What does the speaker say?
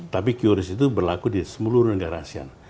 tapi qris itu berlaku di seluruh negara asean